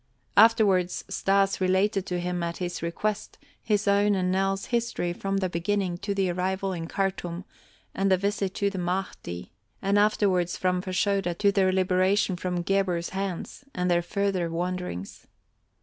Afterwards Stas related to him, at his request, his own and Nell's history from the beginning to the arrival in Khartûm and the visit to the Mahdi; and afterwards from Fashoda to their liberation from Gebhr's hands, and their further wanderings.